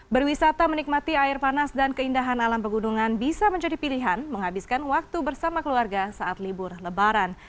berwisata menikmati air panas dan keindahan alam pegunungan bisa menjadi pilihan menghabiskan waktu bersama keluarga saat libur lebaran